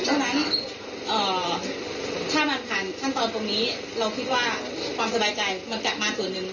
ฉะนั้นถ้ามันผ่านขั้นตอนตรงนี้เราคิดว่าความสบายใจมันจะมาส่วนหนึ่ง